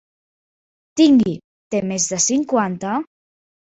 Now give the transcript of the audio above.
Tingui, té més de cinquanta?